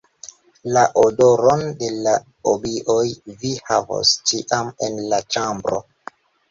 La odoron de la abioj vi havos ĉiam en la ĉambro.